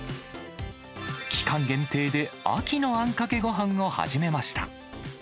期間限定で秋のあんかけごはんを始めました。